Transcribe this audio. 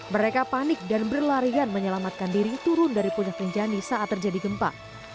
mereka panik dan berlarian menyelamatkan diri turun dari puncak rinjani saat terjadi gempa